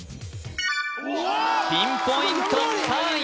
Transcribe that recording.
ピンポイント３位